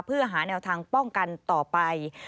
เพื่อหาแนวทางป้องกันต่อไป